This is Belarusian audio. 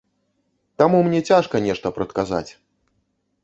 Таму мне цяжка нешта прадказаць.